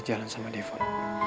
jalan sama devon